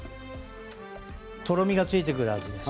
とろみがついてくるはずです。